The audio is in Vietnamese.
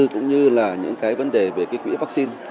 cũng như là những vấn đề về quỹ vaccine